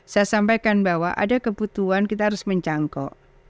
saya sampaikan bahwa ada kebutuhan kita harus menjangkau